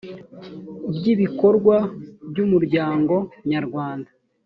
ry ibikorwa by umuryango nyarwanda